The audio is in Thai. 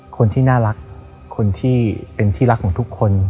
คนที่น่ารักคนที่เป็นที่รักของทุกคน